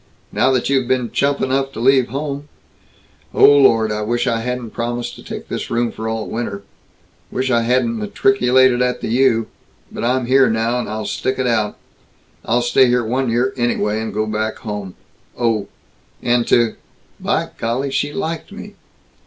Now that you've been chump enough to leave home Oh Lord, I wish I hadn't promised to take this room for all winter. Wish I hadn't matriculated at the U. But I'm here now, and I'll stick it out. I'll stay here one year anyway, and go back home. Oh! And to By Golly! She liked me!"